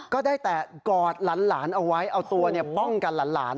ก็ได้แต่กอดหลานเอาไว้เอาตัวป้องกันหลาน